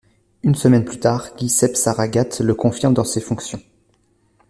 Une semaine plus tard, Giuseppe Saragat le confirme dans ses fonctions.